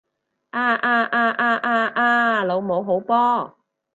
啊啊啊啊啊啊！老母好波！